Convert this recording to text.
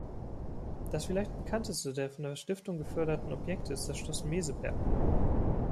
Das vielleicht bekannteste der von der Stiftung geförderten Objekte ist das Schloss Meseberg.